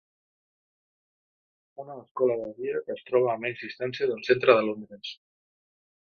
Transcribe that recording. Una escola de dia que es troba a menys distància del centre de Londres.